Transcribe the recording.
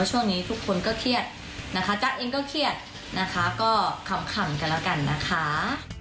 ช่วงนี้ทุกคนก็เครียดนะคะจ๊ะเองก็เครียดนะคะก็ขำกันแล้วกันนะคะ